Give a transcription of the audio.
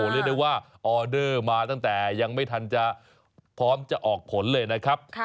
เรียกได้ว่าออเดอร์มาตั้งแต่ยังไม่ทันจะพร้อมจะออกผลเลยนะครับ